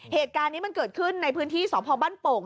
เหตุการณ์นี้มันเกิดขึ้นในพื้นที่สพบ้านโป่ง